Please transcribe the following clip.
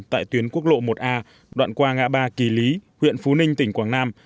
tại tuyến quốc lộ một a đoạn qua ngã ba kỳ lý huyện phú ninh tỉnh quảng nam